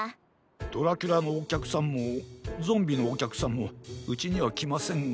ドラキュラのおきゃくさんもゾンビのおきゃくさんもうちにはきませんが。